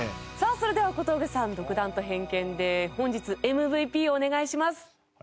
さあそれでは小峠さん独断と偏見で本日ＭＶＰをお願いします。